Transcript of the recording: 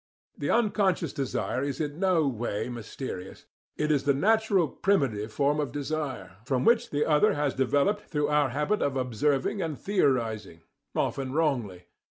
The unconscious desire is in no way mysterious; it is the natural primitive form of desire, from which the other has developed through our habit of observing and theorizing (often wrongly).